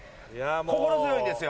心強いんですよ。